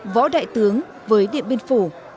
võ đại tướng với điện biên phủ